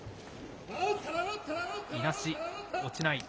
いなし、落ちない。